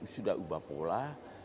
sudah ubah pola